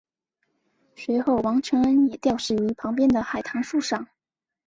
随后王承恩也吊死于旁边的海棠树上。